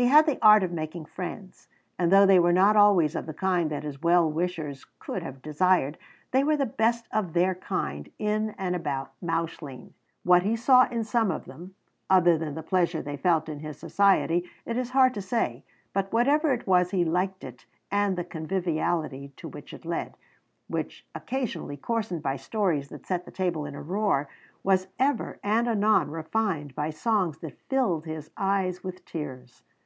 He had the art of making friends; and though they were not always of the kind that his well wishers could have desired, they were the best of their kind in and about Mauchline. What he saw in some of them, other than the pleasure they felt in his society, it is hard to say; but whatever it was, he liked it and the conviviality to which it led, which, occasionally coarsened by stories that set the table in a roar, was ever and anon refined by songs that filled his eyes with tears.